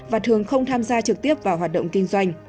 và thường không tham gia trực tiếp vào hoạt động kinh doanh